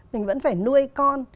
mình vẫn phải nuôi con